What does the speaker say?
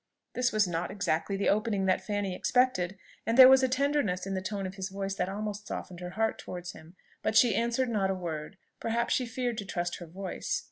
This was not exactly the opening that Fanny expected, and there was a tenderness in the tone of his voice that almost softened her heart towards him; but she answered not a word, perhaps she feared to trust her voice.